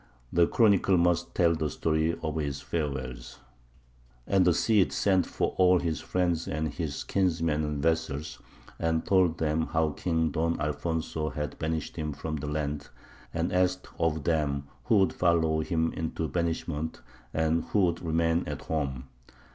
The Chronicle must tell the story of his farewells: "And the Cid sent for all his friends and his kinsmen and vassals, and told them how King Don Alfonso had banished him from the land, and asked of them who would follow him into banishment, and who would remain at home.